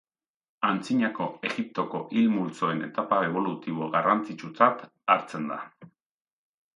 Antzinako Egiptoko hil multzoen etapa ebolutibo garrantzitsutzat hartzen da.